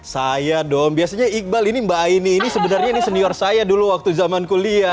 saya dong biasanya iqbal ini mbak aini ini sebenarnya ini senior saya dulu waktu zaman kuliah